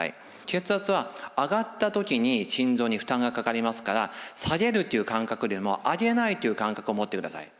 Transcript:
血圧は上がった時に心臓に負担がかかりますから下げるという感覚よりも上げないという感覚を持ってください。